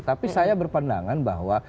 tapi saya berpendangan bahwa